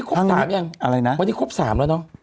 วันนี้ครบ๓แล้วเนอะ